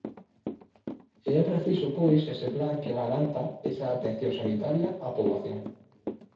E é preciso pois ese plan que garanta esa atención sanitaria á poboación.